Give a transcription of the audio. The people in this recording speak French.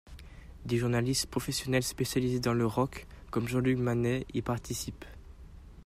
Des journalistes professionnels spécialisés dans le rock, comme Jean-Luc Manet, y participe.